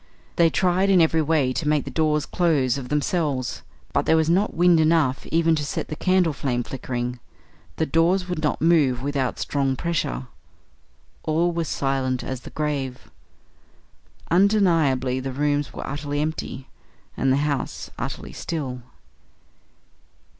They tried in every way to make the doors close of themselves, but there was not wind enough even to set the candle flame flickering. The doors would not move without strong pressure. All was silent as the grave. Undeniably the rooms were utterly empty, and the house utterly still.